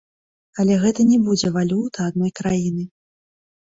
Але гэта не будзе валюта адной краіны.